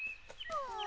うん？